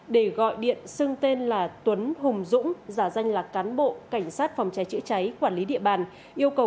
để gọi điện xưng tên là tuấn hùng dũng giả danh là cán bộ cảnh sát phòng trái chữ